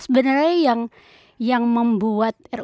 sebenernya yang membuat ru kuhp sekarang ini setengah ajaib itu